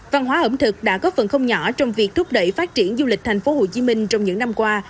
văn hóa ẩm thực đã có phần không nhỏ trong việc thúc đẩy phát triển du lịch thành phố hồ chí minh trong những năm qua